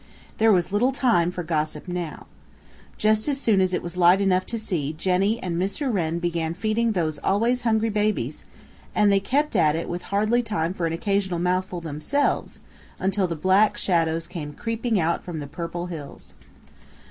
There was little time for gossip now. Just as soon as it was light enough to see Jenny and Mr. Wren began feeding those always hungry babies, and they kept at it with hardly time for an occasional mouthful themselves, until the Black Shadows came creeping out from the Purple Hills.